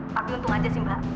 tapi untung aja sih mbak